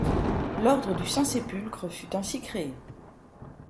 L'Ordre du Saint-Sépulcre fut ainsi créé.